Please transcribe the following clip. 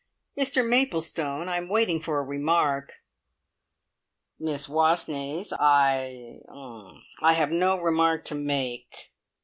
"Mr Maplestone! I am waiting for a remark." "Miss Wastneys, I er I have no remark to make."